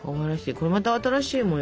これまた新しい模様だね。